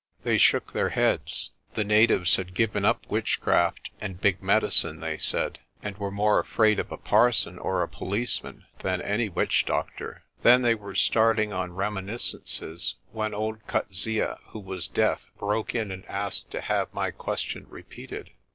They shook their heads. The natives had given up witchcraft and big medi cine, they said, and were more afraid of a parson or a police man than any witch doctor. Then they were starting on reminiscences, when old Coetzee, who was deaf, broke in and asked to have my question repeated.